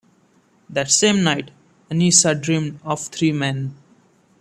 That same night, Anissa dreamed of three men.